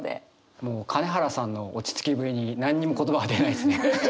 もう金原さんの落ち着きぶりに何にも言葉が出ないですね。